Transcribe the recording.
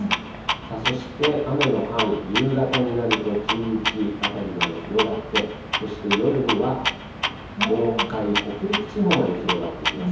さあそして、雨の範囲、夕方になると近畿辺りまで広がって、そして夜には東海、北陸地方まで広がってきます。